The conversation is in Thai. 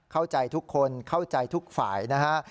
เข้าใจทุกคนเข้าใจทุกฝ่ายนะฮะ